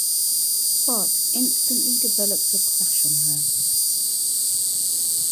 Bart instantly develops a crush on her.